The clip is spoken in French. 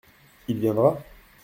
Il viendra ?